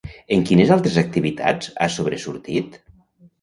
En quines altres activitats ha sobresortit?